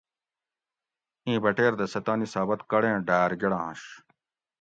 اِیں بٹیر دہ سہ تانی ثابت کڑیں ڈاۤر گۤڑانش